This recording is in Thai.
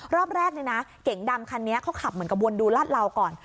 รอบแรกเนี่ยนะเก๋งดำคันนี้เขาขับเหมือนกระวนดูลาดเหลาก่อน